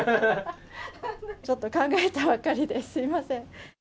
ちょっと考えたばっかりですみません。